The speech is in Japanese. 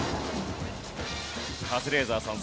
カズレーザーさん